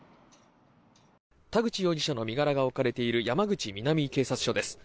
田口容疑者の身柄が置かれている山口南警察署です。